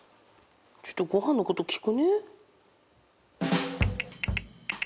ちょっとごはんのこと聞くね